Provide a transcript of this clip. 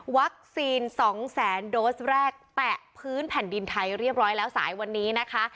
๒แสนโดสแรกแตะพื้นแผ่นดินไทยเรียบร้อยแล้วสายวันนี้นะคะ